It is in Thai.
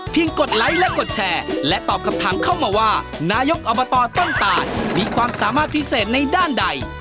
กดไลค์และกดแชร์และตอบคำถามเข้ามาว่านายกอบตต้นตานมีความสามารถพิเศษในด้านใด